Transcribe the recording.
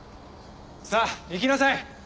さあ行きなさい。